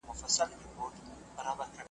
هغې مور ته مي سلام دی چي منظور یې زېږولی .